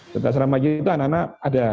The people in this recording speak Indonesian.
di asrama haji itu anak anak ada